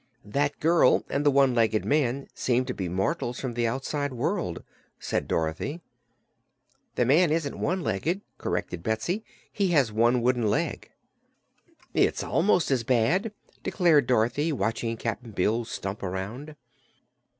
"That girl, and the one legged man, seem to be mortals from the outside world," said Dorothy. "The man isn't one legged," corrected Betsy; "he has one wooden leg." "It's almost as bad," declared Dorothy, watching Cap'n Bill stump around.